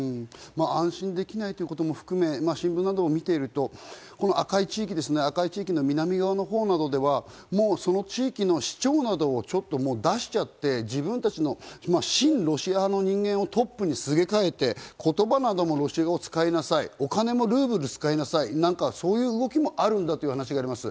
安心できないということも含め、新聞などを見ていると赤い地域の南側のほうではその地域の市長などを出しちゃって、自分たちの親ロシア派の人間をトップにすげ替えて言葉などもロシア語を使いなさい、お金もルーブル使いなさい、そういう動きがあるという動きもあります。